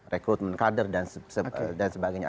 rekrutmen kader dan sebagainya